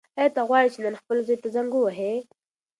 ایا ته غواړې چې نن خپل زوی ته زنګ ووهې؟